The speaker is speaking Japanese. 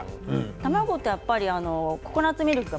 卵とココナツミルクの。